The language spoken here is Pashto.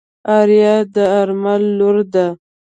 آريا د آرمل لور ده.